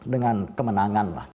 dengan kemenangan lah